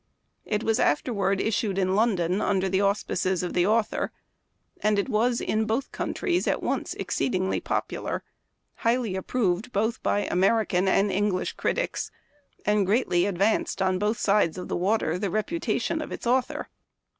It was afterward issued in London, under the auspices of the author ; and it was, in both countries, at once exceedingly popular, highly approved both by American and English critics, and greatly advanced, on both sides of the water, the repu tation of its author.